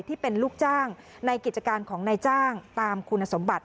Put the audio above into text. ที่เป็นลูกจ้างในกิจการของนายจ้างตามคุณสมบัติ